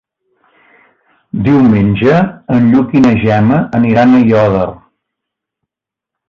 Diumenge en Lluc i na Gemma aniran a Aiòder.